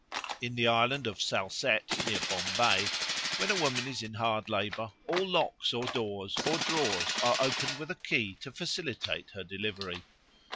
In the island of Salsette near Bombay, when a woman is in hard labour, all locks of doors or drawers are opened with a key to facilitate her delivery.